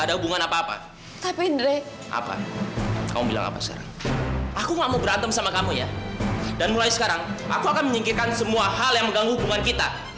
dan mulai sekarang aku akan menyingkirkan semua hal yang mengganggu hubungan kita